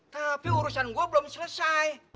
tapi urusan gue belum selesai